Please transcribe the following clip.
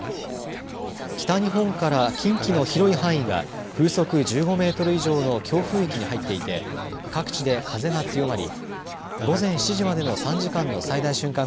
北日本から近畿の広い範囲が風速１５メートル以上の強風域に入っていて各地で風が強まり午前７時までの３時間の最大瞬間